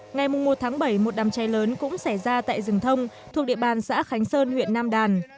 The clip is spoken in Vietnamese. ngày một tháng bảy một đám cháy lớn cũng xảy ra tại rừng thông thuộc địa bàn xã khánh sơn huyện nam đàn